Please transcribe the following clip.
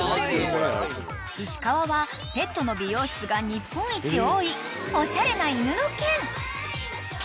［石川はペットの美容室が日本一多いおしゃれな犬の県］